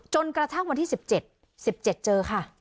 จนกระทั่งวันที่๑๗๑๗เจอค่ะ